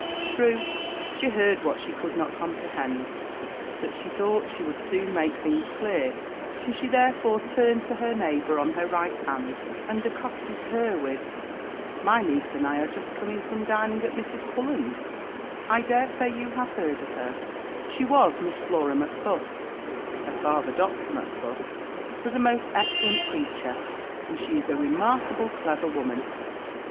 True, she heard what she could not comprehend, but she thought she would soon make things clear; and she therefore turned to her neighbour on her righthand, and accosted her with "My niece and I are just come from dining at Mrs. Pullens's I daresay you have heard of her she was Miss Flora Macfuss; her father, Dr. Macfuss, was a most excellent preacher, and she is a remarkable clever woman."